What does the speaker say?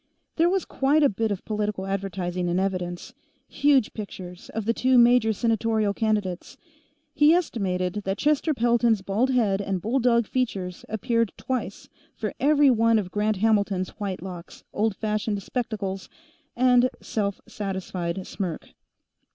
There was quite a bit of political advertising in evidence huge pictures of the two major senatorial candidates. He estimated that Chester Pelton's bald head and bulldog features appeared twice for every one of Grant Hamilton's white locks, old fashioned spectacles and self satisfied smirk.